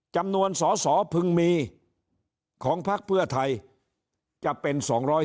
จำนวนสอสอพึงมีของพักเพื่อไทยจะเป็น๒๔